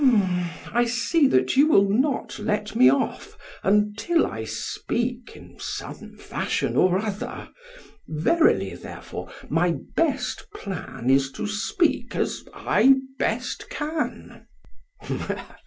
PHAEDRUS: I see that you will not let me off until I speak in some fashion or other; verily therefore my best plan is to speak as I best can.